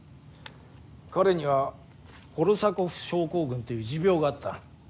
彼にはコルサコフ症候群という持病があった。